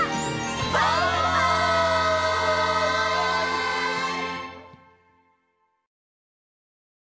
バイバイ！